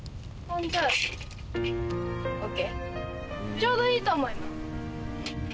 ちょうどいいと思います。